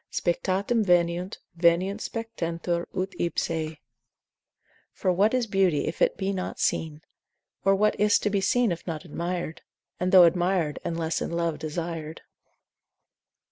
Spectatum veniunt, veniunt spectentur ut ipsae. For what is beauty if it be not seen, Or what is't to be seen if not admir'd, And though admir'd, unless in love desir'd?